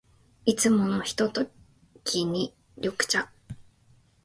いつものひとときに、緑茶。